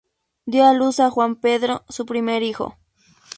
Dio a luz a Juan Pedro, su primer hijo.